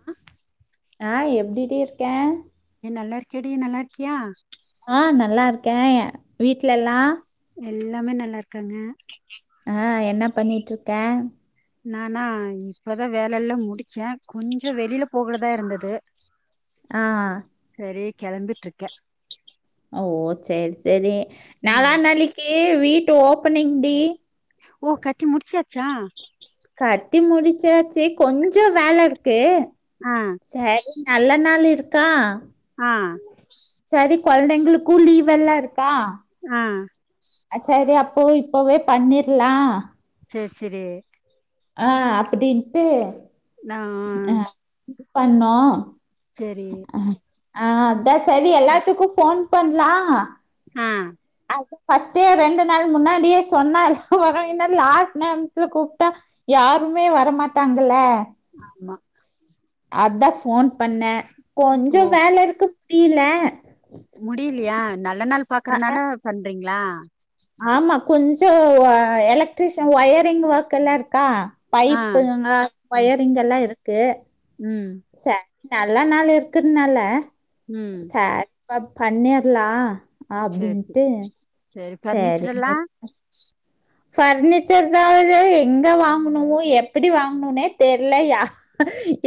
ஆ ஆ எப்டி டி இருக்க ஏ நல்லாருக்கியா டி நல்லாருக்கியா ஆ நல்லாருக்கே ஏ வீட்ல எல்லா எல்லாமே நல்லாருக்காங்க ஆ என்ன பண்ணிட்ருக்க நானா இப்பதா வேல எல்லா முடிச்ச கொஞ்சோ வெளியில போகறதா இருந்தது ஆ செரி கெளம்பிட்ருக்கே ஓ செரி செரி ம். நாளானாளிக்கி வீட்டு ஓப்பனிங் டி ஓ கட்டி முடிச்சாச்சா கட்டி முடிச்சாச்சி கொஞ்சோ வேல இருக்கு ஆ சேரி நல்ல நாள் இருக்கா ஆ செரி கொழ்ந்தைங்களுக்கு லீவ் எல்லா இருக்கா ஆ அ செரி அப்போ இப்பவே பண்ணீர்லா சேர் செரி ஆ அப்பிடின்ட்டு நா பண்ணோ செரி ஆ அதா செரி எல்லாத்துக்கு ஃபோன் பண்லா ஆ அதா ஃபஸ்ட்டே ரெண்டு நாள் முன்னாடியே சொன்னால் வரு இன்ன லாஸ்ட் நேரத்ல கூப்ட்டா யாருமே வரமாட்டாங்கள்ல ஆம்மா அதா ஃபோன் பண்ணே ஓ கொஞ்சோ வேல இருக்கு கீழ்ல முடியிலையா நல்ல நாள் பாக்கறனால பண்றீங்ளா ஆமா கொஞ்சோ எலக்ட்ரிஷன் ஒயரிங் ஒர்க் கெல்லா இருக்கா ஆ பைப்புங்க ம் ஒயரிங் எல்லா இருக்கு ம் சேரி நல்லா நாள் இர்கற்னால ம். சேர் பண்ணிர்லா‌ சரி சரி அப்டின்ட்டு சரி ஃபர்னிச்சர் செரிங்க எல்லாம் ஃபர்னிச்சர் தாங்க எங்க வாங்குணுவோ எப்டி வாங்ணுனே தெர்லா யா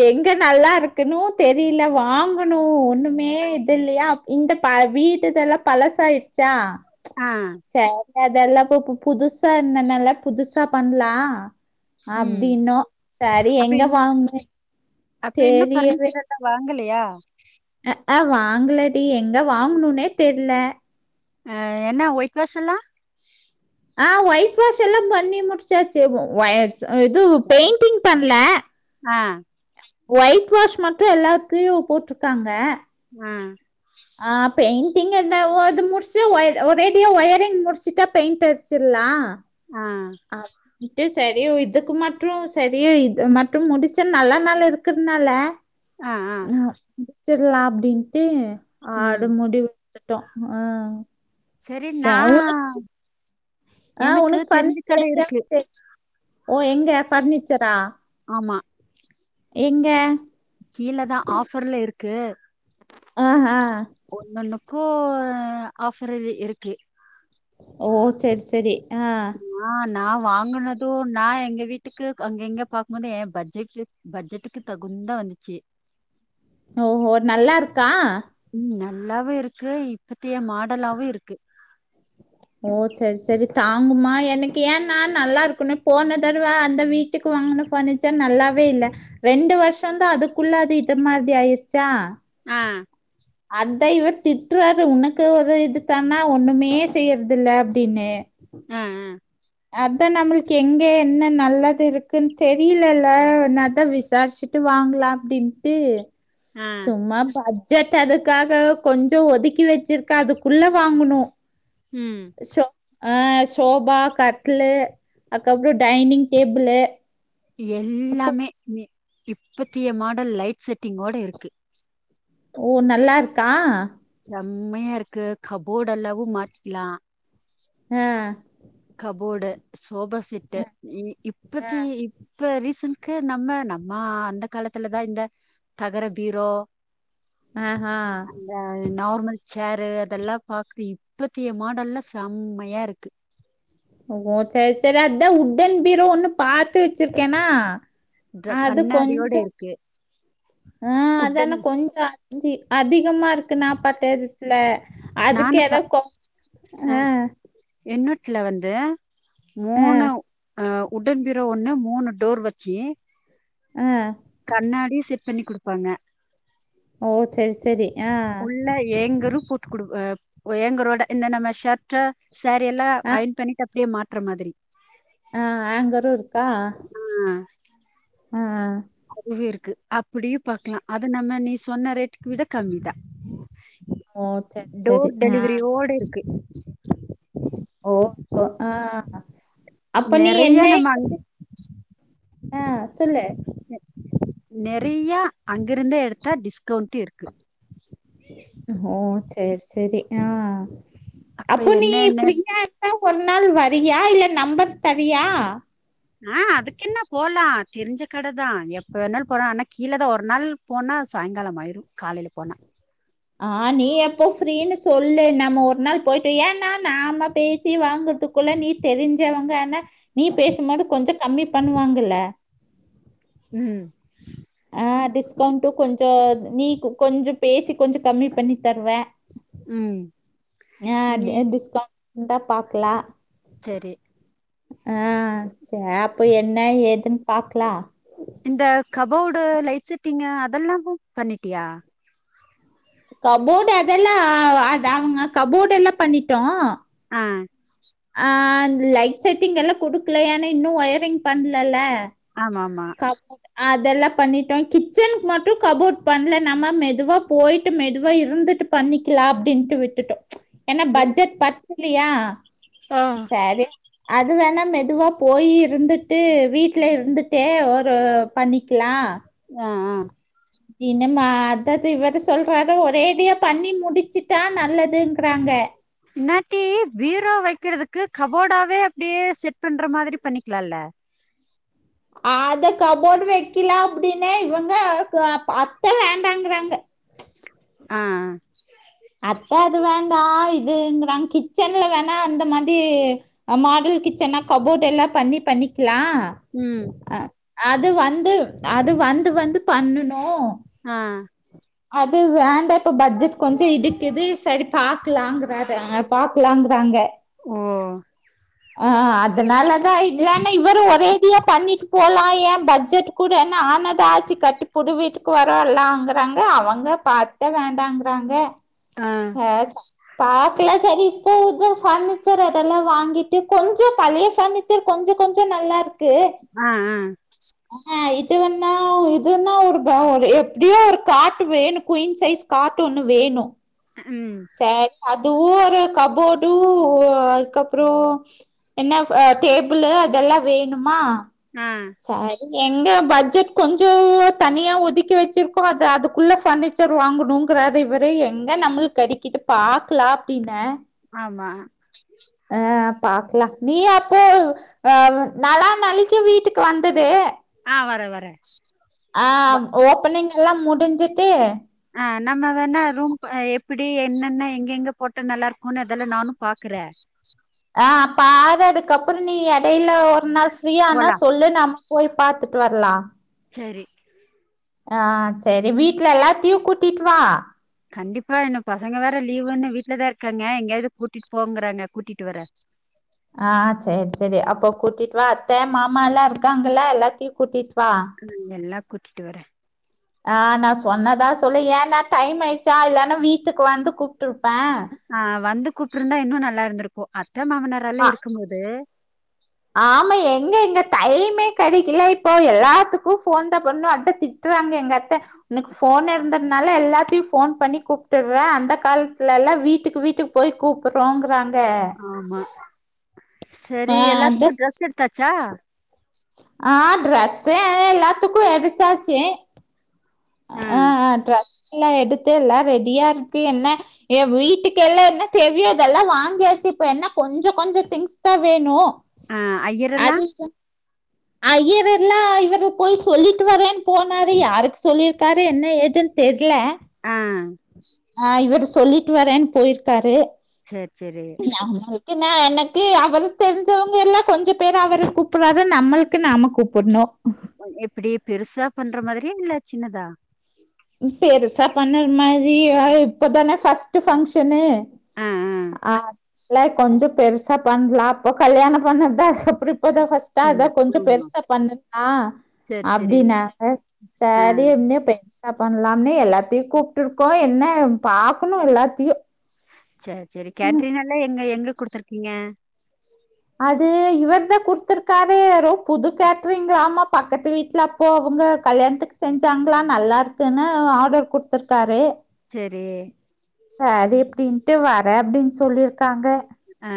எங்க நல்லாருக்கணு தெரில வாங்கணு ஒண்ணுமே இதுல்லயா இந்த பா வீடுதெல்லா பழசாயிட்ச்சா ஆ சேரி அதெல்லா பூப் போ புதுசா இந்த நால புதுசா பண்லா ம் அப்டின்னோ செரி எங்க அப்ப வாங்க அப்ப இன்னும் தெரியவே பர்னிச்சர் எல்லாம் வாங்கலையா? அ அ வாங்கலடி எங்க வாங்கணுனே தெர்ல அ என்ன ஒயிட் வாஷ் எல்லா ஆ ஒயிட் வாஷ் எல்லா பண்ணி முடிச்சாச்சு ஒ ஒய் இது பெயிண்டிங் பண்ல ஆ ஒயிட் வாஷ் மட்டு எல்லாத்லயு போட்ருக்காங்க அ ஆ பெய்ண்டிங் எந்த ஒ து முடிச்சு ஒ ஒரேடியா ஒயரிங் முடுசுட்டா பெயிண்ட் அட்ச்சர்லா ஆ ஆ ட்டு சரியோ இதுக்கு மட்டு சரியா இது மட்டும் முடிச்ச நல்ல நாளு இருக்றனால ஆ முடுச்சர்றலா அப்டின்ட்டு ம். ஆடு முடிவு ட்டுட்டோ ஆ செரி நா ஆ உனக்கு ஃபர்னிச்சர் [inaudible] ஓ எங்க ஃபர்னிச்சரா ஆமா எங்க கீழ தா ஆஃபர்ல இருக்கு அ ஹ ஒன்னொன்னுக்கு ஆஃபரு ஐ டி இருக்கு ஓ சேர் சேரி அ ஆ நா வாங்குனதும் நா எங்க வீட்டுக்கு அங் கெங்க பாக்கும் போது எ பட்ஜெட் பட்ஜெட்டுக்கு தகுந்தா வந்துச்சு ஓ ஹோ நல்லா இருக்கா ம் நல்லாவே இருக்கு இப்பத்திய மாடலாவு இருக்கு ஓ சேர் சேரி தாங்குமா எனக்கு ஏன்னா நல்லா இருக்கணு போன தடவ அந்த வீட் டுக்கு வாங்குன பர்னிச்சர் நல்லாவே இல்ல ரெண்டு வருஷந்தா அதுக்குள்ள அது இது மாறி ஆயிடுச்சா அ அத்தா இவர் திட்றாரு உனக்கு இது இதுப்பண்ணா ஒண்ணுமே செய்யறதில்ல அப்டின்னு அ அ அத்தா நம்மளுக்கு எங்க என்ன நல்லது இருக்குன்னு தெரில இல்ல நா அத்தா விசாரிச்சுட்டு ட்டு வாங்கலா அப்டின்ட்டு ஆ. சும்மா பாத் செட் அதுக்காக கொஞ்சோ ஒதுக்கி வச்சிருக்க அதுக்குள்ள வாங்குணு ம் சோ அ சோபா கட்லு அதுக்கப்றோ டைனிங் டேபுளு எல்லாமே இப்பத்திய மாடல் லைட் செட்டிங்கோட இருக்கு ஓ நல்லாருக்கா செம்மையா இருக்கு கபோர்டு எல்லாவு மாத்திக்கலா அ கபோடு சோபா செட்டு இ இப்பத்தி இப்ப ரீசன்கா நம்ம நம்ம அந்த காலத்துல தா இந்த தகர பீரோ அ அ இந்த நார்மல் ச்சேரு அதெல்லா பாக்குற இப்பத்தைய மாடல்ல செம்மையா இருக்கு ஓ சேர் சேரி அத்தா உட்டன் பீரோ ஒண்ணு பாத்து வச்சிருக்கெனா த- அது கண்ணாடியோட கொஞ்சோ இருக்கு ஆ உடன் அத்தான கொஞ்சோ ஞ்சிஅதிகமா இர்க் க்கு நா பாத்த எடத்துல அதுக்கு ஏதோ கொ அ என் நேரத்துல வந்த ஆ மூணு அ உட்டன் பீரோ ஒன்னு மூணு டோர் வச்சி அ கண்ணாடியு செட் பண்ணி குடுப்பாங்க ஓ சரி சரி ஆ [inaudible] உள்ளி ஏங்கரு புத் குடுக் ஏப் ஏங்கரோட இந்த நம்ம ஷர்ட சேரீ எல்லா ஆ அயன் பண்ணிட்டு அப்படியே மாட்ற்ற மாதிரி அ ஹேங்கரும் இருக்கா உம் உம் வி இருக்கு அப்படியும் பக்கலா அத நம்ம நீ சொன்ன ரேட்டுக்கு விட கம்மி தா ஓ சரி சரி டோர் ஆ டெலிவரி யோட இருக்கு ஓ ஓ அ அப்ப நீ நெறைய என்ன நம்ம அங் ஆ சொல்லு நிறையா அங்கேருந்தே எடுத்தால் டிஸ்கவுண்ட்டும் இருக் ஓ சேர் சேரி ஆ அப்ப அப்போ நீ என்னென்ன ஃப்ரீயா இருந்தா ஒரு நாள் வரியா இல்ல நம்பர் தரியா ஆ அதுக்கு என்ன போலாம் தெரிஞ்ச கடதான் எப்ப வேணாலும் போலா ஆனா கீழே தான் ஒரு நாள் போனா சாயங்காலம் ஆய்ரும் காலையில போனா ஆ நீ எப்போ ஃப்ரீன்னு சொல்லு நம்ம ஒரு நாள் போய்ட்டு ஏன்னா நாம பேசி வாங்கர்த்து க்குள்ள நீ தெரிஞ்சவங்க ஆனா நீ பேசும்போது கொஞ்சோ கம்மி பண்ணுவாங்கல்ல ம் ஆ டிஸ்கவுண்ட்டும் கொஞ்சோ நீ கொஞ்சம் பேசி கொஞ்சம் கம்மி பண்ணி தருவ ம் ஆ நீ டிஸ்கவுட் இருந்தா பாக்கலா செரி ஆ ச அப்போ என்ன ஏதுன்னு பாக்கலா இந்த கபோர்டு லைட் செட்டிங்கு அதெல்லாமு பண்ணிட்டியா கபோர்டு அதெல்லாம் அ அவங்க கபோர்டெல்லாம் பண்ணிட்டோம் ஆ ஆ அந்த லைட் செட்டிங் எல்லாம் குடுக்கல ஏன்னா இன்னும் ஒயரிங் பண்ணலல ஆமா ஆமா காசு அதெல்லாம் பண்ணிட்டோம் கிச்சனுக்கு மட்டும் கபோர்ட் பண்ணல நம்ம மெதுவா போய்ட்டு மெதுவா இருந்துட்டு பண்ணிக்கலாம் அப்டின்ட்டு விட்டுட்டோம் ஏன்னா சே பட்ஜெட் பத்துலையா ஆ சரி அது வேணா மெதுவா போயி இருந்துட்டு வீட்ல இருந்து ட்டே ஒரு பண்ணிக்கலா ஆ ஆ என்னமா அதது இத சொல்றார ஒரேடியா பண்ணி முடிச்சுட்டா நல்லதுங்கறாங்க கூ பீரோ வைக்கிறதுக்கு கபோடாவே அப்படியே செட் பண்ற மாதிரி பண்ணிக்கலாம்ல அத கபோர்டு வைக்கலாம் அப்டின்னே இவங்க அப்பா வேண்டாங்கறாங்க ஆ ஆ அப்போ அது வேண்டா இதுங்கறாங் கிச்சன்ல வேணா அந்த மாதிரி மாடல் கிச்சன்னா கபோர்ட் எல்லா பண்ணி பண்ணிக்கலாம் ம் ஆ அது வந்து அது வந்து வந்து பண்ணனும் ஆ அது வேண்டாம் இப்ப பட்ஜெட் கொஞ்சம் இடிக்குது சரி பாக்கலாங்கறாரு அவுங் அப் பாக்கலாங்கறாங்க ஓ ஆ அதனாலதான் இல்லன்னா இவரும் ஒரேடியா பண்ணிட்டு போலாம் ஏன் பட்ஜெட் கூடன ஆனத் ஆச்சி கட்டி புது வீட்டுக்கு வரோல்லாங்கறாங்க அவங்க பா அத்த வேண்டாங்கறாங்க ஆ ச பார்க்கலாம் சரி இப்போ இது பர்னிச்சர் அதெல்லாம் வாங்கிட்டு இது கொஞ்சம சலய பர்னிச்சர் கொஞ்சம் கொஞ்சம் நல்லா இருக்கு ஆ அ ஆ இது வேண்ணா இதுன்னா ஒரு போவாரு எப்டியோ ஒரு காட் வேணும் குயின் சைஸ் காட் ஒன்னு வேணும் ம் சரி அதுவு ஒரு கபோர்டு அதுக்கப்பறோ என்ன ஆ டேபிள்ளு அதெல்லா வேணும்மா ஆ சரி எங்க பட்ஜெட் கொஞ்சோ தனியா ஒதுக்கி வச்சிருக்கோ அது அதுக்குள்ள ஃபர்னி ச்சர் வாங்கணுங்கறாரு இவரு எங்க நம்மல் கடைக்குது பாக்கலா அப்டின்னே ஆமா ஆ பாக்கலா நீ அப்போ அ நல்லா நாளிக்கி வீட்டுக் வந்துது ஆ வரே வரே ஆ வ ஓப்பனிங் எல்லா முடிஞ்சுட்டு ஆ நம்ம வேணா ரூம் அ எப்படி என்னென்ன எங்கெங்க போட்டா நல்லா இருக்குன்னு அதெல்லா நானு பாக்கறே ஆ பாரு அதுக்கப்பறோ நீ எடையில ஒரு நாள் ஃப்ரீய ஆனா போலா சொல்லு நம் போய் பாத்துட்டு வர்லா சரி ஆ சரி வீட்ல எல்லாத்தியு கூட்டிட் வாா கண்டிப்பா இன்னு பசங்க வேற லீவ்ன்னு வீட்லதா இருக்காங்க எங்கயாது கூட்டிட் போங்கறாங்க கூட்டிட்டு வர ஆ சேர் சரி அப்போ கூட்டிட் வா அத்தே மாமா எல்லா இருக்காங்கல்ல எல்லாத்தியு கூட்டிட் வா ம் எல்லா கூட்டிட்டு வர ஆ நா சொன்னதா சொல்லு ஏன்னா டைம் ஆய்ச்சா இல்லன்னா வீட்டுக் வந்து கூப்ட்டுருப்பே ஆ வந்து கூப்ற்றுந்தா இன்னு நல்லா இருந்திருக்கு அத்த ஆ மானரார்ல இருக்கும் போது ஆமா எங்க இங்க டைமே கடைக்கல இப்போ எல்லாத்துக்கு போன் தா பண்ணோ அதா தி ட்றாங்க எங்க அத்த உனக் போன் இருந்த னால எல்லாத்தையு போன் பண்ணி கூப்ட்டுற்றே அந்த காலத்துல எல்லா வீட்டுக்கு வீட்டுக்கு போய் கூப்புறோங்கறாங் க ஆமா சரி எல்லாத்துக்கு டிரெஸ் எடுத்தாச்சா ஆ ட்ரெஸ்ஸ எல்லா எல்லாத்துக்கு எடுத்தாச்சு ஆ ஆ ட்ரஸ்ல்லா எடுத்து எல்லா ரெடியா இருக்கு என்ன ஏ வீட்டுக்கு எல்லா என்ன தெவையோ அது எல்லா வாங்கியாச்சு இப்ப என்ன கொஞ்சோ கொஞ்சோ திங்ஸ் தா வேணு ஆ அய்யர்ரல்லா அது இது ஐயர் எல்லா இவரு போய் சொல்லிட்டு வரேன் போனாரு யாருக் சொல்லிர்க்காரு என்ன ஏதுன் தெர்ல ஆ ஆ இவுரு சொல்லிட்டு வரேன் போயிருக்காரு சேர் சேரி நம்மளுக் என்ன எனக்கு அவர்க் தெரிஞ்சவங்க எல்லா கொஞ்ச பேர அவரு கூப்பற்றாரு நம்மளுக் கு நாம கூப்பண்ணு எப்படி பெருசா பண்ற மாதிரிய இல்ல சின்னதா பெருசா பண்ண மாதிரி இப்பதானே ஃபர்ஸ்ட்டு ஃபங்சன்னு ஆ இல்ல கொஞ்சோ பெருசா பண்லா அப்போ கல்யாணம் பண்ணதுதா அதுக்கப்பறோ இப்பதா ஃபஸ்ட் டா அதா துண்டு கொஞ்சோ ஆமா பெருசா பண்ணதுலா சேரி சேரி அப்டின்ன ஆ சரி என்ன இப்ப பண்லான்னு எல்லாத்தியு கூப்ட்டு இருக்கோ என்ன பாக்கணு எல்லாத்தையு சேர் சேரி கேட்ரிங் எல்லா எங்க எங்க குடுத்துருக்கீங்க அது இவர்தா குடுத்துருக்காரு எதோ புது கேட்ரிங் ஆமா பக்கத்து வீட்ல போ அவுங்க கல்யாணத்துக் செஞ்சாங்ளா நல்லா இருக்குனு ஆர்டர் குட்த்துருக்காரு சேரி சரி அப்டின்ட்டு வரே அப்டின் சொல்லிர்க்காங்க ஆ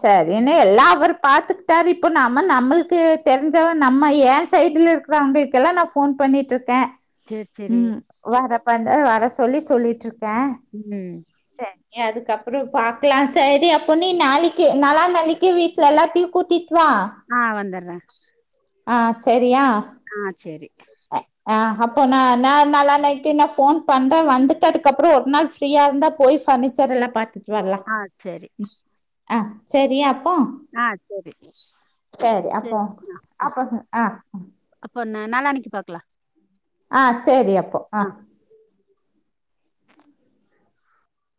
சரினு எல்லா அவரு பாத்துக்ட்டாரு இப்போ நாம நம்மளுக்கு தெரிஞ்சவ நம்ம ஏ சைட்ல இருக்குறவுங்களுக் கெல்லா நா ஃபோன் பண்ணிட்ருக்கே சேரி சேரி ம் வரப்பந்த வர சொல்லி சொல்லிட்ருக்கே ம் சேரி அதுக்கப்புறோ பாக்கலா சேரி அப்ப நீ நாளைக் கி நாலா நாளைக்கி வீட்ல எல்லா தியு கூட்டிட் வா ஆ வந்தற்ற ஆ செரியா ஆ செரி ஆ ஆ அப்போ நா நா நால்லா நாளைக்கி நா ஃபோன் பண்ற வந்துட்ட அதுக்கப்றோ ஒரு நாள் ஃப்ரீயா இருந்தா போய் ஃபர்னி சரல்லா பாத்துட் வர்லா ஆ சரி. ஆ செரியாப்பா ஆ சரி. சேரி அப்போ அப்ப ஆ அப்போ நா நாளான்னைக்கி பாக்கலா ஆ சேரி அப்போ ஆ